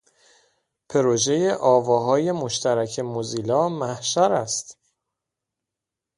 پروژهٔ آواهای مشترک موزیلا محشر است.